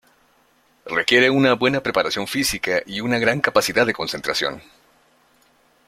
Requiere una buena preparación física y una gran capacidad de concentración.